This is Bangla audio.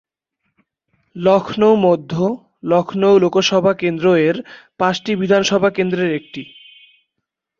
লখনউ মধ্য, লখনউ লোকসভা কেন্দ্র-এর পাঁচটি বিধানসভা কেন্দ্রের একটি।